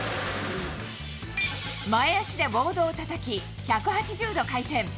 前足でボードをたたき、１８０度回転。